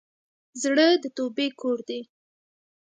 زړه د توبې کور دی.